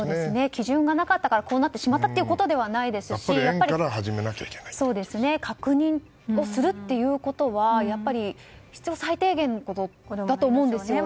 基準がなかったからこうなってしまったわけでもないですし確認をするということはやっぱり、必要最低限のことだと思うんですよね。